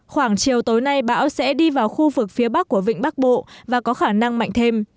khoảng chiều tối nay bão sẽ đi vào khu vực phía bắc của vịnh bắc bộ và có khả năng mạnh thêm